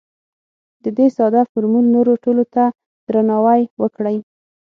د دې ساده فورمول نورو ټولو ته درناوی وکړئ.